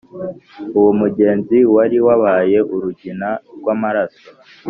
uwo mugezi wari wabaye urugina rw' amaraso